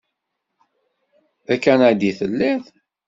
D akanadi i telliḍ?